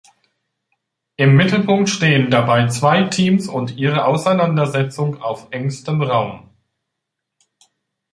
Im Mittelpunkt stehen dabei zwei Teams und ihre Auseinandersetzung auf engstem Raum.